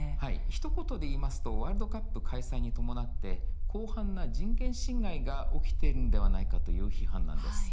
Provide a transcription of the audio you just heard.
ひと言で言いますとワールドカップ開催に伴って広範な人権侵害が起きているのではないかという批判なんです。